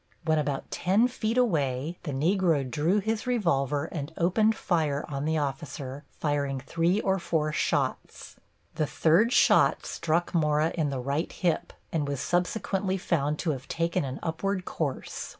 When about ten feet away, the Negro drew his revolver and opened fire on the officer, firing three or four shots. The third shot struck Mora in the right hip, and was subsequently found to have taken an upward course.